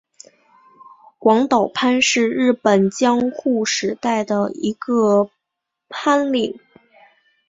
广岛藩是日本江户时代的一个藩领。